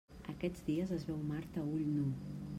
Aquests dies es veu Mart a ull nu.